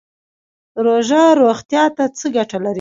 روژه روغتیا ته څه ګټه لري؟